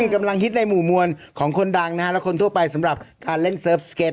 กำลังฮิตในหมู่มวลของคนดังนะฮะและคนทั่วไปสำหรับการเล่นเซิร์ฟสเก็ต